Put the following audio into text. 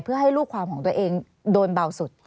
เพื่อให้ลูกความของตัวเองโดนเบาสุด